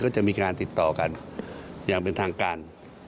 ก็จะมีการติดต่อกันอย่างเป็นทางการ